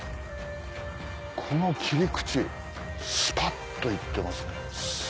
この斬り口スパっといってますね。